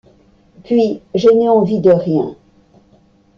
Puis, je n’ai envie de rien…